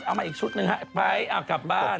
เอามาอีกชุดหนึ่งนะไปอ้าวกลับบ้าน